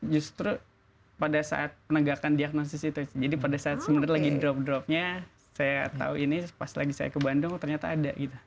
justru pada saat penegakan diagnosis itu jadi pada saat sebenarnya lagi drop dropnya saya tahu ini pas lagi saya ke bandung ternyata ada gitu